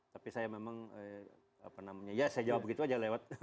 tapi saya memang ya saya jawab begitu aja lewat